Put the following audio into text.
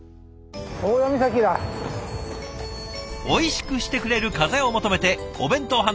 おいしくしてくれる風を求めてお弁当